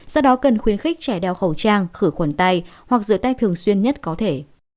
do đó cần khuyến khích trẻ đeo khẩu trang khử khuẩn tay hoặc rửa tay thường xuyên nhất có thể